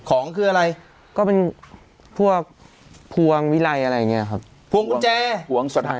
ของคืออะไรก็เป็นพวกพวงวิไลอะไรอย่างเงี้ยครับพวงกุญแจพวงสถาน